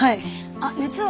あっ熱は？